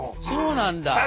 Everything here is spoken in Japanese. そうなんだ。